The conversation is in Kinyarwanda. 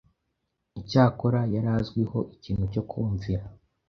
Icyakora yari azwiho ikintu cyo kumvira